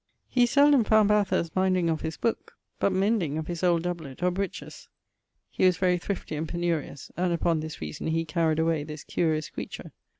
He seldome found Bathurst minding of his booke, but mending of his old doublet or breeches. He was very thrifty and penurious, and upon this reason he caried away this curious creature.